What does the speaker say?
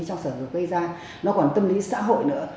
trong sở dục gây ra nó còn tâm lý xã hội nữa